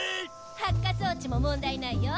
発火装置も問題ないよ。